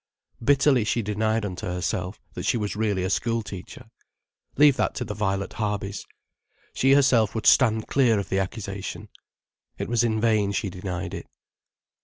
Bitterly she denied unto herself that she was really a schoolteacher. Leave that to the Violet Harbys. She herself would stand clear of the accusation. It was in vain she denied it.